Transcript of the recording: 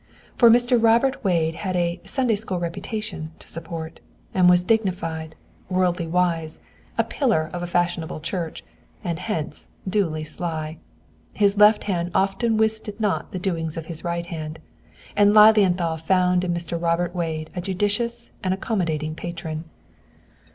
For Mr. Robert Wade had a "Sunday school reputation" to support, and was dignified, worldly wise, a pillar of a fashionable church, and hence, duly sly. His left hand often wisted not the doings of his right hand, and Lilienthal found in Mr. Robert Wade a judicious and accommodating patron.